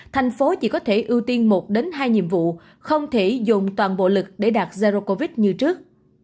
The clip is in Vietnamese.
thành phố chỉ có thể ưu tiên một hai nhiệm vụ không thể dùng toàn bộ lực để đạt zero covid như trước